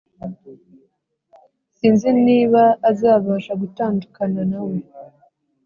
sinzi niba azabasha gutandukana nawe